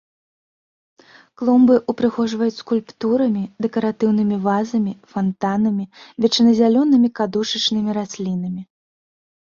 Клумбы ўпрыгожваюць скульптурамі, дэкаратыўнымі вазамі, фантанамі, вечназялёнымі кадушачнымі раслінамі.